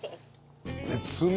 絶妙。